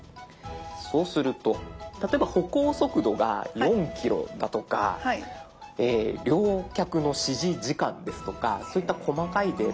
そうすると例えば歩行速度が４キロだとか両脚の支持時間ですとかそういった細かいデータ